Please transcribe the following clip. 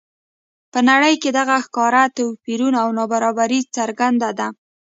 په نړۍ کې دغه ښکاره توپیرونه او نابرابري څرګنده ده.